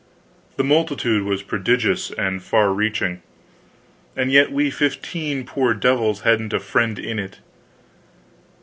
The multitude was prodigious and far reaching; and yet we fifteen poor devils hadn't a friend in it.